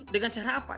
dengan cara apa